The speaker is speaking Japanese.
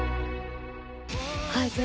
はい。